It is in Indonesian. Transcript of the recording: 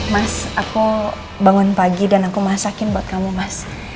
mas aku bangun pagi dan aku masakin buat kamu mas